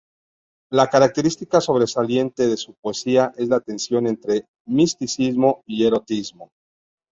La característica sobresaliente de su poesía es la tensión entre misticismo y erotismo.